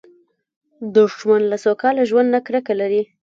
دښمن له سوکاله ژوند نه کرکه لري